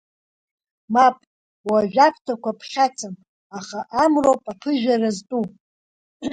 Мап, уажә аԥҭақәа ԥхьацам, аха амроуп аԥыжәара зтәу.